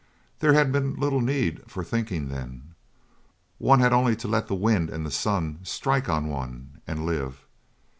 There had been little need for thinking then. One had only to let the wind and the sun strike on one, and live.